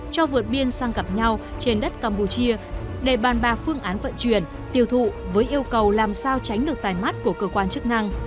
cho vượt biên sang gặp nhau trên đất campuchia để bàn bạc phương án vận chuyển tiêu thụ với yêu cầu làm sao tránh được tài mắt của cơ quan chức năng